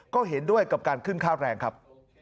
ก็เห็นด้วยกับการขึ้นค่าแรงครับ